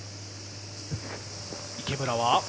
池村は。